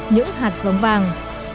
những hạt giống vàng